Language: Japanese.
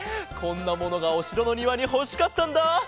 こんなものがおしろのにわにほしかったんだ。